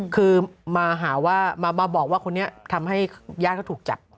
คือมาหาว่ามาบอกว่าคนนี้ทำให้ญาติเขาถูกจับ